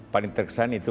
paling terkesan itu